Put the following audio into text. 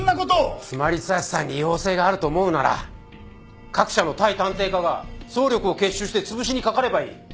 スマ・リサーチさんに違法性があると思うなら各社の対探偵課が総力を結集してつぶしにかかればいい。